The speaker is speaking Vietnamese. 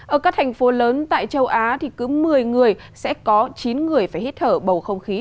ở các thành phố lớn tại châu á cứ một mươi người sẽ có chín người phải hít thở bầu không khí